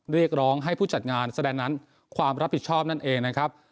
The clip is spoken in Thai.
เรียกร้องให้ผู้จัดงานแสดงนั้นความรับผิดชอบนั่นเองนะครับ